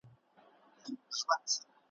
باغچې د ګلو سولې ویجاړي ,